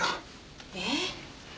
えっ！？